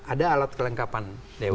ada alat kelengkapan dewan